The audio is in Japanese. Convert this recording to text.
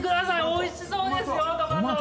おいしそうですよトマト！